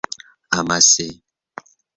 Amase.